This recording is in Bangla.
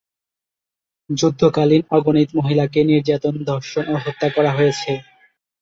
যুদ্ধকালীন অগণিত মহিলাকে নির্যাতন, ধর্ষণ ও হত্যা করা হয়েছে।